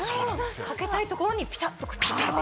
かけたい所にピタッとくっつく。